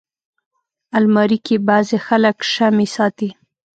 الماري کې بعضي خلک شمعې ساتي